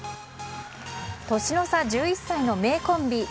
年の差１１歳の名コンビ。